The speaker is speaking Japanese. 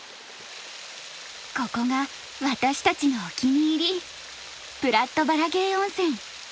ここが私たちのお気に入りプラット・バラゲー温泉。